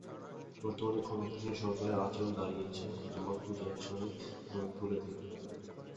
বর্তমানে ক্ষমতাসীন সরকারের আচরণ দাঁড়িয়েছে, তোমার পূজার ছলে তোমায় ভুলে থাকি।